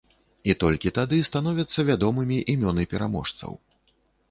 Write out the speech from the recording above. І толькі тады становяцца вядомымі імёны пераможцаў.